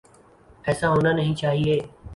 ایسا ہونا نہیں چاہیے۔